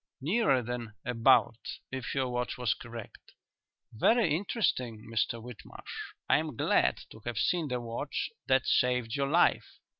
"Nearer than 'about,' if your watch was correct. Very interesting, Mr Whitmarsh. I am glad to have seen the watch that saved your life."